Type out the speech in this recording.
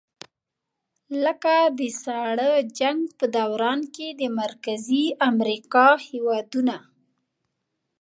لکه د ساړه جنګ په دوران کې د مرکزي امریکا هېوادونه.